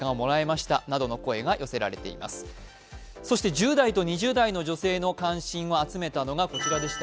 １０代と２０代の女性の関心を集めたのがこちらでした。